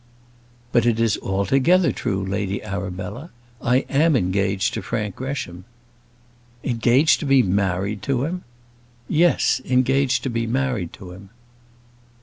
"But it is altogether true, Lady Arabella; I am engaged to Frank Gresham." "Engaged to be married to him?" "Yes; engaged to be married to him."